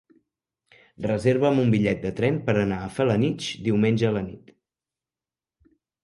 Reserva'm un bitllet de tren per anar a Felanitx diumenge a la nit.